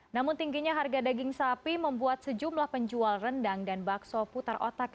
namun tingginya harga daging sapi membuat sejumlah penjual rendang dan bakso putar otak